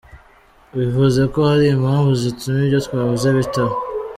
Bivuze ko hari impamvu zituma ibyo twavuze bitaba.